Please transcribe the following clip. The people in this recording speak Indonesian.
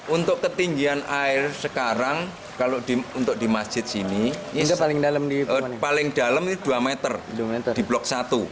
untuk ketinggian air sekarang kalau untuk di masjid sini paling dalam itu dua meter di blok satu